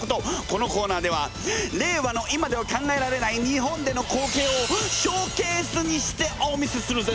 このコーナーでは令和の今では考えられない日本での光景をショーケースにしてお見せするぜ！